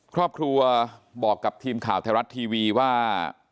ครอบครัวบอกกับทีมข่าวไทยรัฐทีวีว่า